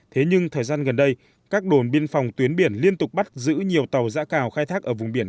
thế nhưng thời gian gần đây các đồn biên phòng tuyến biển liên tục bắt giữ nhiều tàu giã cào khai thác